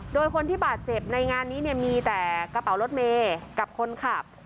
โดยคนที่บาดเจ็บในงานนี้เนี่ยมีแต่กระเป๋ารถเมย์กับคนขับ